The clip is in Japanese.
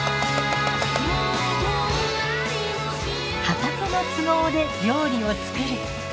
畑の都合で料理を作る。